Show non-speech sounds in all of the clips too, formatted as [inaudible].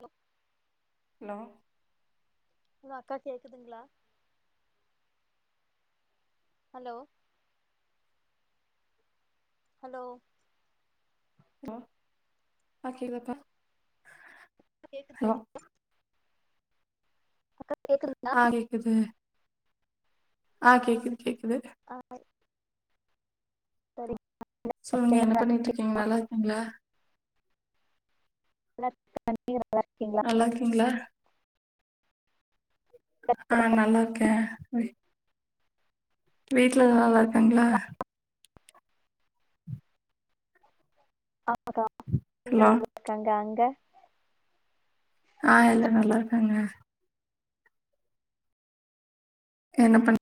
Hello hello hello அக்கா கேக்குதுங்ளா hello hello hello அ [unintelligible] [inaudible] அக்கா கேக்குதுங்ளா ஆ கேக்குது ஆ கேக்குது கேக்குது [inaudible] சொல்லுங்க என்ன சரிங்க பண்ணிட்ருக்கீங்க நல்லா இருக்கீங்ளா நல்லா இருக்கே [inaudible] நீங்க நல்லா இருக்கீங்ளா நல்லாருக்கீங்ளா அ நல்லார்க்கே வீட்ல எல்லா நல்லா இருக்காங்ளா ஆமாக்கா வீட்ல ஹலோ நல்லா இருக்காங்க அங்க ஆ எல்லா நல்லாருக்காங்க என்ன பண்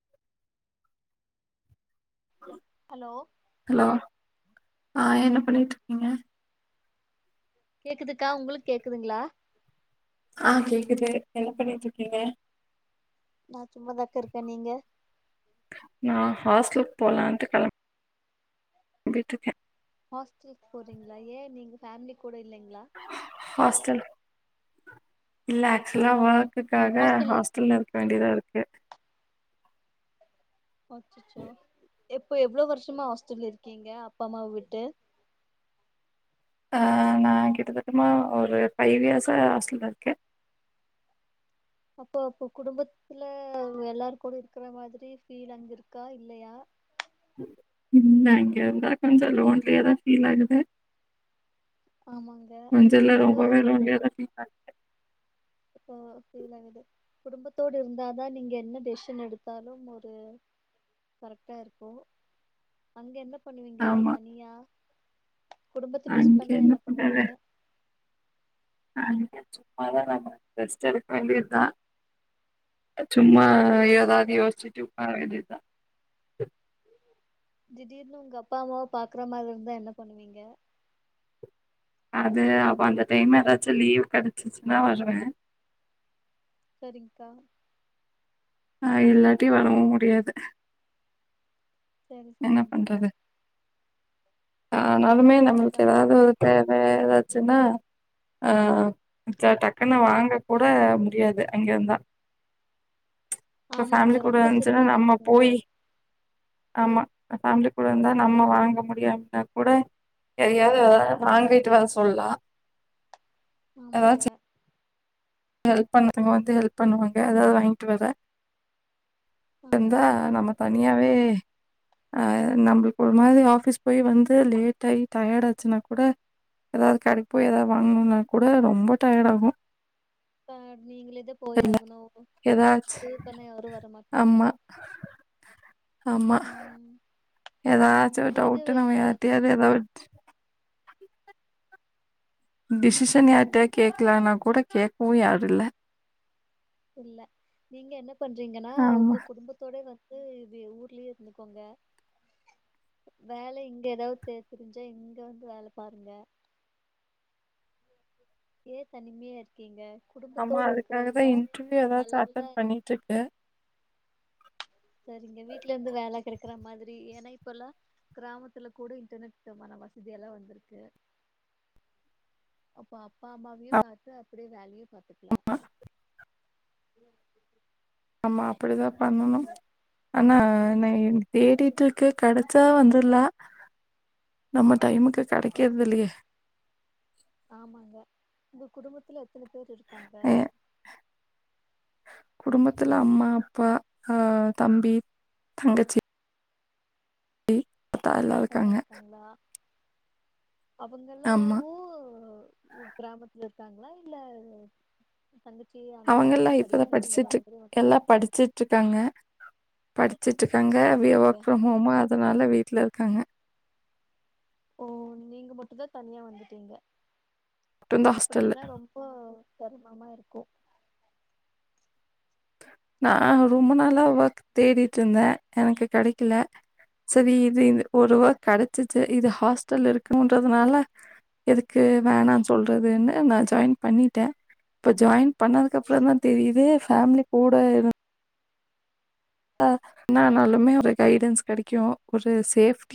[unintelligible] அலோ ஹலோ ஆ என்ன பண்ணிகிட்ருக்கீங்க கேக்குதுக்கா உங்களுக் கேக்குதுங்ளா ஆ கேக்குது என்ன பண்ணிட்ருக்கீங்க நா சும்மாதாக்கா இருக்கே நீங்க நா ஹாஸ்டலுக் போலான்ட்டு கெளம் பிட்ருக்கே ஹாஸ்டலுக் போறீங்ளா ஏ நீங்க ஃபேம்லி கூட இல்லெங்ளா ஹாஸ்டல் இல்ல ஆக்சுலா ஒர்க்குகாக ஹாஸ்டல்ல இர் வேண்டியதா இருக்கு அச்சச்சோ இப்போ எவ்ளோ வர்ஷமா ஹாஸ்டல்ல இருக்கீங்க அப்பா அம்மாவ விட்டு ஆ நா கிட்டத்தட்டமா ஒரு ஃபைவ் இயர்ஸா ஹாஸ்டல்ல இருக்கே அப்போ இப்ப குடும்பத்துல எல்லார் கூட இருக்ற மாதிரி ஃபீல் அங்க இருக்கா இல்லையா ம் இல்ல இங்கர்ந்தா கொஞ்சோ லோன்லியாதா ஃபீல் ஆகுது ஆமாங்க கொஞ்சோ இல்ல என்னாலு ரொம்பவே லோன்லியாதா ஃபீல் ஆகுது. அப்போ ஃபீல்ல விடு குடும்பத்தோட இருந்தாதா நீங்க என்ன டெசிஷன் எடுத்தாலு ஒரு கரெக்டா இருக்கு அங்க என்ன பண்ணுவீங்க ஆமா. தனியா குடும்பத்த மிஸ் அங்க பண்ணா என்ன பண்றது? பண்ணுவீங்க அங்க சும்மாவே நா ரெஸ்ட் எடுக்கவேண்டியதா சும்மா ஆ ஏதாது யோச்ட்டு உக்காரவேண்டியதா திடீர்னு உங்க அப்பா அம்மாவ பாக்குற மாரி இருந்தா என்ன பண்ணுவீங்க அது அப்ப அந்த டைம்ல எதாச்சு லீவ் கெடச்சிச்சின்னா வருவே சரிங்க்கா ஆ இல்லாட்டி வரவு முடியாது சேரி என்ன சேரிங்க்கா பண்றது? ஆனாலுமே நம்ளுக்கு அதா ஏதாது ஒரு தேவ ஏதாச்சுனா ஆ டக்குன்னு வாங்க கூட முடியாது அங்கிர்ந்தா இப்ப ஆமாங்க ஃபேம்லி கூட ரொம்ப இருந்ச்சுனா சிரமமா நம்ம போயி இருக்குங்களே ஆமா ஃபேம்லி கூடர்ந்தா நம்ம வாங்க முடியாட்னா கூட எதையாது வாங்கிட்டு வர சொல்லா ஆமங்க ஹெல்ப் பண்றவங்க வந்து ஹெல்ப் பண்ணுவாங்க ஏதாது வாய்ட்டு வரே ஆமா வந்தா ஆமா நம்ம தனியாவே ஆ நம்ளுக்கு ஒரு மாரி ஆஃபிஸ் போய் வந்து லேட்டாயி டயர்டு ஆச்சுனா கூட ஏதாது கடைகுபோய் ஏதாவது வாங்ணுனா கூட ரொம்ப டயர்ட் ஆகு கா நீங்ளேயேது போயாகணு ஏதாச்சு ப்ரூவ் பண்ணா யாரு வரமாட் ஆமா ஆமா ம் ஏதாச்சு ஒரு நீங்க டவுட்டுனா அஹ், யார்‌டயாது எதாவ்து டிசிஷன் சொல்லுங்க யார்ட்டியாது கேக்லானா கூட கேக்கவு யாரு இல்ல இல்ல நீங்க என்ன பண்றீங்கனா ஆமா உங்க குடும்பத்தோட வந் ந்து இது ஊர்லியே இருந்துக்கோங்க வேல இங்க ஏதாவ்து தெரிஞ்சா இங்க வந்து வேல பாருங்க ஏ தனிமையா இருக்கீங்க ஆமா குடும்பத்தோட அதுக்காக இருக்றதுதா நல்லா அ செரிங்க வீட்லருந்து வேல கெடைக்குற மாதிரி ஏனா இப்பல்லா கிராமத்துல கூட இன்டர்நெட்டுமான வசதி எல்லா வந்ருக்கு அப்போ அப்பா அம்மாவையு ஆ- பாத்து அப்டியே வேலையு பாத்துக்லா ஆமா அப்டிதா பண்ணணு ஆமாங்க ஆனா நா உங்க குடும்ப தேடிட்ருக்கு கெடச்சா வந்துர்லா நம்ம டைமுக்கு சரி கெடைக்கற்து சரி இல்லயே ஆமாங்க ஒங்க குடும்பத்துல எத்தன பேரு இருக்காங்க அஹ் குடும்பத்துல அம்மா அப்பா அ தம்பி தங்கச்சி அப்த்தாலா எல்லா நல்லா இருக்காங்க அவுங்க ஆமா எல்லாவு ஊ கிராமத்துல இருக்காங்களா இல்ல தங்கச்சி அண்ணா அவங்க அவுங்க எல்லா எல்லாம் படிக்கணுன்னு ஒங்ள மாதிரி வந்துட்டாங்ளா ட்டுருக்காங்க படிச்சுட்டு இருக்காங்க சரி அப்டியே சரிங்க ஒர்க் ஃப்ரம் ஹோம் அதனால வீட்டுல இருக்காங்க ஓ நீங்க மட்டுந்தா தனியா வந்துட்டீங்க மட்டும்தான் ஹாஸ்டல்ல அப்புடின்னா ரொம் ஓ செர்ம்மா இருக்கோ நா ரொம்ப நாளா ஒர்க் தேடிட்டுருந்தே எனக்கு கெடைக்குல செரி இது இந்த் ஒருவா சரிங் கெடைச்சிச்சு இது ஹாஸ்டல் இருக்குன்றதுனால எதுக்கு வேணா சொல்றதுன்னு நா ஜாய்ன்ட் பண்ணிடே இப்ப ஜாய்ன் பண்ணதுக்கு அப்புறோ தா தெரியுது ஃபேமிலி கூட இருந் அ என்ன ஆனாலுமே ஒரு கைடன்ஸ் கெடைக்கூ ஒரு சேஃப்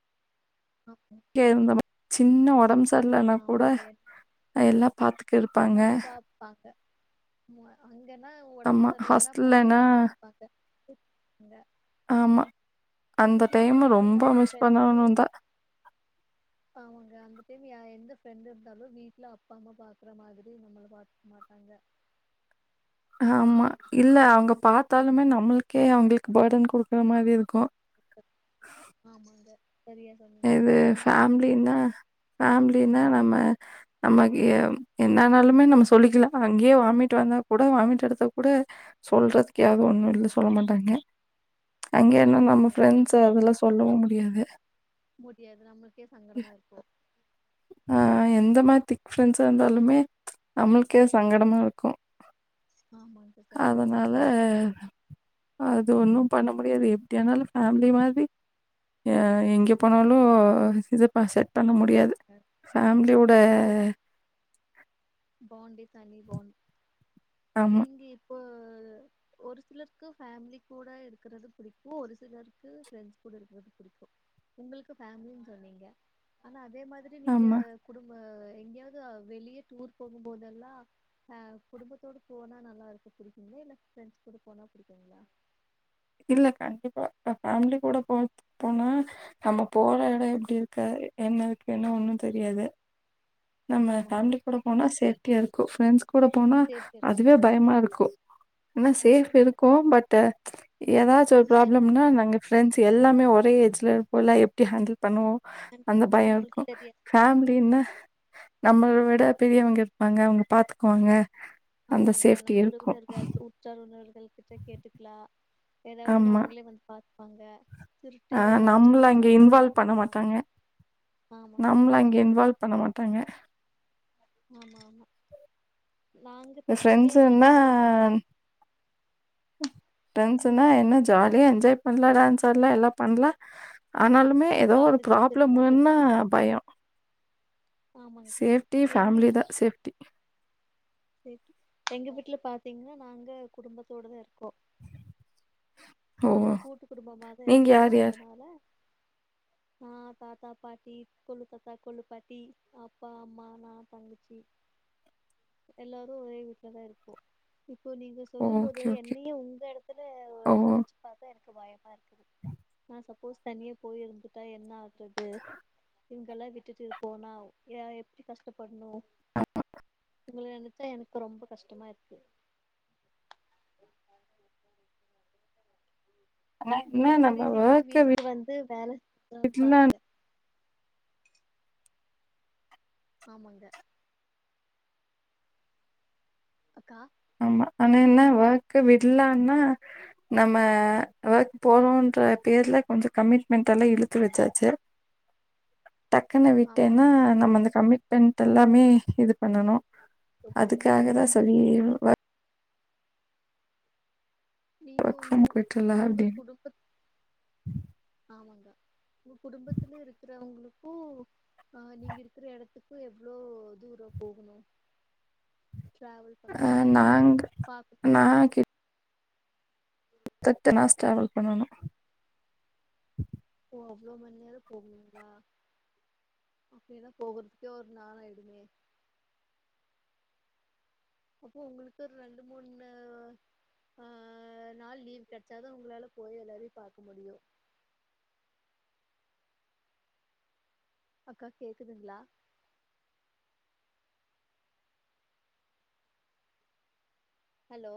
பாப்போ கே இருந்தம் சின்ன ஒடம் சரில்லன்னா கூட ஆமாங்க எல்லா பாத்து நம்மள பாப் பாக்க ம்மொ அங்கன்னா ஒடம்பு ஆமா சர்ல்லன்னா பாக்க ஹாஸ்டல்லன்னா யாரூ இருப்பாங்க அங்க ஆமா அந்த அப்டியு டைம் யாராவது ரொம்ப நல்ல மிஸ் பண்ணுவன் தா ஆமாங்க அந்த டைம் ஏ எந்த ப்ரெண்ட் இருந்தாலு வீட்ல அப்பா அம்மா பாக் இருக்கர மாதிரி நம்மள பாத்துக்க மாட்டாங்க ஆம்மா இல்ல அவுங்க பாத்தாலுமே நம்மளுக்கே அவங்களுக்கு பேர்டன் குடுக்குற மாதிரி இருக்கோ ஆமாங்க செரியா இது ஃபேமிலின்னா ஃபேமிலின்னா நம்ம நம்மக்கி என்னனாலுமே நம்ம சொல்லிக்கில அங்கேயே வாமிட் வந்தா கூட வாமிட் எடுத்தா கூட சொல்றதுக்கு யாரு ஒண்ணுல்ல சொல்ல மாட்டாங்க அங்கே ஆமா என்னனா நம்ம ஆமாங்க பிரெண்ட்ஸ் அதெல்லா சொல்லவூ முடியாது முடியாது நம்மளுக்கே சங்கடமா இருக்கே ஆ எந்த மாத் திக் ப்ரெண்ட்ஸா இருந்தாலுமே நம்மளுக்கே சங்கடமா இருக்கூ ஆமாங் அதுனால அது ஒன்னூ பண்ண முடியாது எப்டியானாலு ஃபேமிலி மாதிரி அ எங்கேப் போனாலூ எங்க இதப்பா செட் பண்ண முடிக்க முடியாது ஃபேமிலியோட இப்போ ப பாண்டே தனி பாண்ட் ஆமாம் நீங்க இப்போ ஒரு சிலருக்கு ஃபேமிலி கூட இருக்குறது புடிக்கூ ஒரு சிலருக்கு ப்ரெண்ட்ஸ் கூட இருக்குறது புடிக்கூ உங்களுக்கு பேமிலின்னு சொன்னீங்க ஆனா அதே மாதிரித் ஃபர்ஸ்ட் நீங்க ஆமாம் குடும்ப எங்கேயாவது அ வெளியே டூர் போகூ போதெல்லா ஆ குடும்பத்தோட போனா நல்லா இருக்கு புடிக்குங்களா இல்ல ஃப்ரெண்ட்ஸ் கூட போனா புடிக்குங்களா இல்ல கண்டிப்பா நா ஃபேமிலி கூட போறத்துக்கு போனா நம்ம போற எடோ எப்டி இருக்க என்ன இருக் என்ன ஒண்ணு தெரியாது [inaudible] நம்ம ஆமாங்க ஃபேமிலி கூட போனா சேப்டியாருக்கூ ப்ரெண்ட்ஸ் கூட போனா சேஃப்டி இருக்கு அதுவே பயமா இருக்கூ ஏனா சேஃப் இருக்கூ பட் அ ஏதாச்சு ஒரு பயமா ப்ராப்ளம்னா இருக்கு நாங்க ஃப்ரெண்ட்ஸ் எல்லாமே ஒரே ஏஜ்ல இருப்போம்ல்ல எப்டி ஹேண்டில் பண்ணுவோ அந்த பயம் நம்மளுக்கு இருக்கோ தெரியாது ஃபேமிலின்னா நம்மள விட பெரியவங்க இருப்பாங்க அவங்க பாத்துக்குவாங்க ஆமாங்க நம்ம ஊருக்குள்ள இருக்க எல் குரூப் செர்னு ஒருத்தல கிட்ட கேட்டுக்கலா ஏதாவதுன்னா ஆமா. அவுங்களே வந்துப் பாத்துப்பாங்க திருட்டு அ ஏதாவது நம்மள ஆச்சுன்னா அங்க நம்ம ஃபேமிலி வருவாங்க ஆமாங்க நம்மளா அவங்களே ஆங்க பாத்து இன்வால்வ் பண்ண மாட்டாங்க ஆமாம்மா ஃப்ரெண்ட்ஸ் எங்களுக்கு இருந்தா வீ ஃப்ரெண்ட்ஸ்னா என்ன ஜாலியா என்ஜாய் பண்ணலா டான்ஸ் ஆடலா எல்லா பண்லா ஆனாலுமே ஆனா ஏதோ ஒரு பாதுகாப்பு ப்ராப்ளம் இருக்காது வந்தா பயோ ஆமாங்க சேஃப்டி இது எங்க ஃபேமிலி தா சேஃப்டி செகி எங்க வீட்ல பாத்தீங்கன்னா நாங்க குடும்பத்தோடதாருக்கோ ஓ! நாங்க கூட்டு குடும்பமாதா நீங்க இருக்கோ யார் யார்? அதனால நா தாத்தா பாட்டி கொழு தாத்தா கொழு பாட்டி அப்பா அம்மா நா தங்கச்சி எல்லாரு ஒரே வீட்ல தாருக்கோ இப்போ நீங்க ஓ! சொல்லும் போது ஓகே, ஓகே. என்னையு உங்க இடத்து ஓ! இதுல நெனைச்சு பாத்தா எனக்கு பயமாருக்குது ஆ சப்போஸ் தனியா போயிருந்துட்டா என்ன ஆகுறது இவுங்கெல்லா விட்டுட்டு போனா யா எ எப்டி கஷ்டப்பட்ணு ஆ உங்கள நெனைச்சா எனக்கு ரொம்ப கஷ்டமா இருக்கு ஆனா என்ன நீங்க நம்ம கூடிய சீக்கிரோ வொர்க்க வீட்டுக்கு வந்து வேல விடலான் பாப்பீங்க ஆமாங்க அக்கா ஆமா ஆனா என்ன வொர்க் விடலன்னா நம்ம ஒர்க் போறோன்ற பேர்ல கொஞ்சோ கமிட்மெண்ட்டெல்லா இழுத்து வச்சாச்சு டக்குன்னு ஆமா விட்டேன்னா ஆமா நம்ம அந்த கமிட்மெண்ட் எல்லாமே இது பண்ணணு ரொம்ப அதுக்காகதா சொல்லிரனு நீங்க ஒர்க் உங்க ஃப்ரம் வீட்ல உங்க அப்டின்னு குடும்ப ஆமாங்க [unintelligible] குடும்பத்துல இருக்கிறவங்களுக்கு ஆ நீங்க இருக்கிற இடத்துக்கு எவ்ளோ தூரம் போகணு டிராவல் அ பண்ணணு நாங்க பாக்க நா கி பத்து நாஸ் ட்ராவல் பண்ணணு ஓ அவ்ளோ மண் நேரோ போவீங்ளா ஓகேனா போகறதுக்கே ஒரு நாள் ஆய்டுமே அப்போ உங்களுக்கு ஒரு ரெண்டு மூணு ஆ நாள் லீவ் கெடைச்சாதா உங்களால போய் எல்லாரையு பாக்க முடியு அக்கா கேக்குதுங்ளா ஹலோ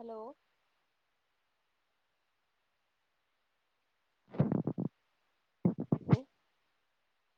ஹலோ